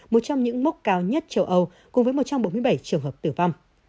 một trong những mốc cao nhất châu âu cùng với một trăm bốn mươi bảy trường hợp tử vong